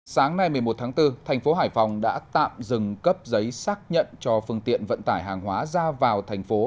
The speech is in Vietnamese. sáng nay một mươi một tháng bốn thành phố hải phòng đã tạm dừng cấp giấy xác nhận cho phương tiện vận tải hàng hóa ra vào thành phố